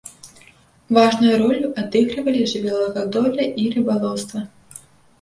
Важную ролю адыгрывалі жывёлагадоўля і рыбалоўства.